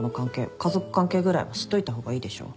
家族関係ぐらいは知っといた方がいいでしょ。